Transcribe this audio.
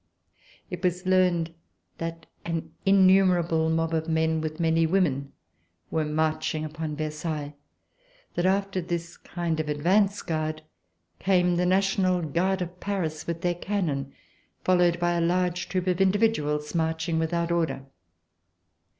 It was learned that an innumerable mob of men with many women were marching upon Versailles; that after this kind of advance guard came the National Guard of Paris with their cannon, followed by a large troop of individuals marching without order.